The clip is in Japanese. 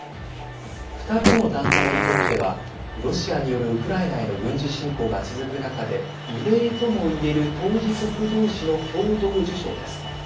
２つの団体にとってはロシアによるウクライナへの軍事侵攻が続く中で異例ともいえる当事国同士の共同受賞です。